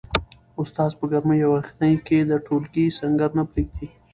استاد په ګرمۍ او یخنۍ کي د ټولګي سنګر نه پریږدي.